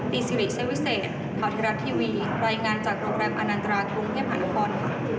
ตรีศิริเซวิเศษถาวธิรัตน์ทีวีรายงานจากโรงแรมอนันตรากรุงเฮียบหานฟอนด์